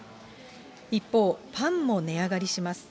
一方、パンも値上がりします。